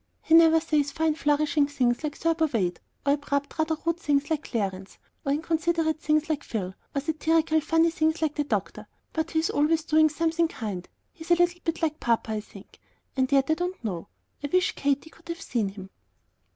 He never says fine flourishing things like Thurber Wade, or abrupt, rather rude things like Clarence, or inconsiderate things like Phil, or satirical, funny things like the doctor; but he's always doing something kind. He's a little bit like papa, I think; and yet I don't know. I wish Katy could have seen him."